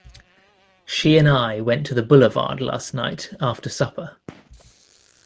She and I went to the boulevard last night after supper.